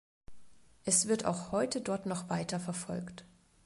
Es wird auch heute dort noch weiter verfolgt.